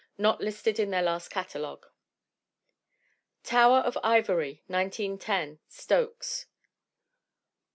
Not listed in their last catalogue. Tower of Ivory, 1910. Stokes.